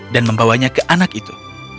dan membawanya ke anak itu